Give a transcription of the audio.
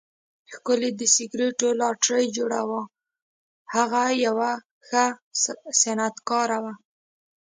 ښکلی د سګریټو لایټر جوړاوه، هغه یو ښه صنعتکار و.